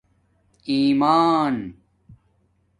ایمان